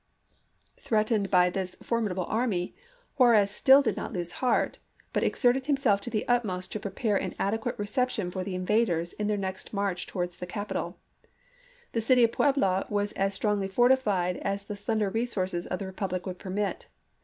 ^ Threatened by this for chap. n. midable army, Juarez still did not lose heart, but exerted himself to the utmost to prepare an ade quate reception for the invaders in their next march towards the capital ; the city of Puebla was as strongly fortified as the slender resources of the republic would permit.